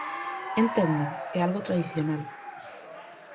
¿Entenden? É algo tradicional.